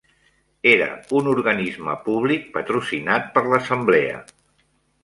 Era un organisme públic patrocinat per l'Assemblea.